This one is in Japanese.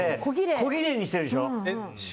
小ぎれいにしているでしょ。